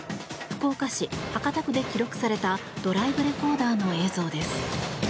福岡市博多区で記録されたドライブレコーダーの映像です。